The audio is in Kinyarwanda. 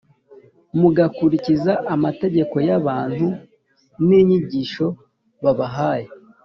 mugakurikiza amategeko y abantu n inyigisho nabahaye